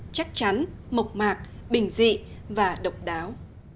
chắc chắn mộc mạc bình dị và độc đáo